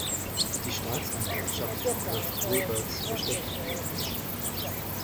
Die Staatsanwaltschaft wirft Wolbergs Bestechlichkeit vor.